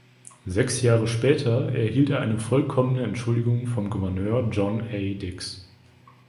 Sechs Jahre später erhielt er eine vollkommene Entschuldigung vom Gouverneur John A. Dix.